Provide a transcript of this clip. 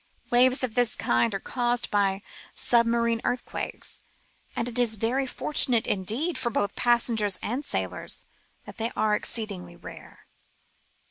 Waves of this kind are caused by submarine earthquakes, and it is very fortunate, indeed, both for passengers and sailors, that they are exceedingly rare.